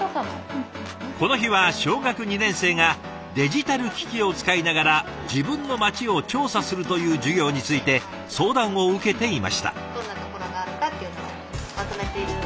この日は小学２年生がデジタル機器を使いながら自分の町を調査するという授業について相談を受けていました。